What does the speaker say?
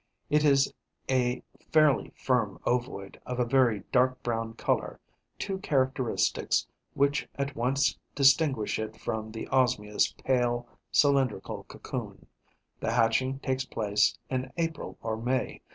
It is a fairly firm ovoid, of a very dark brown colour, two characteristics which at once distinguish it from the Osmia's pale, cylindrical cocoon. The hatching takes place in April or May.